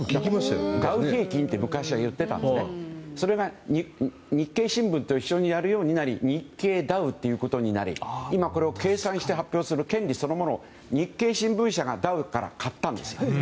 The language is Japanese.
ダウ平均って昔はいってたんですけどそれを日経新聞と一緒にやるようになり日経ダウということになり今これを計算して発表する権利そのものを日経新聞社がダウから買ったんですよ。